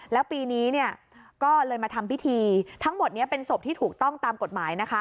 แล้วปีนี้เนี่ยก็เลยมาทำพิธีทั้งหมดนี้เป็นศพที่ถูกต้องตามกฎหมายนะคะ